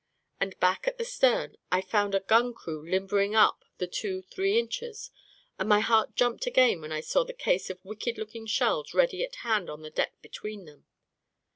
And back at the stern, I found a gun crew limbering up the two three inchers, and my heart jumped again when I saw the case of wicked looking shells ready at hand on the deck be tween them.